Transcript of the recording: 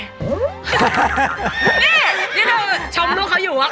นี่นี่เราชมลูกเขาอยู่ครับ